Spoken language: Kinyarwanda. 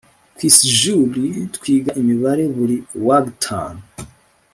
Kwisjuri twiga imibare buri wagtanu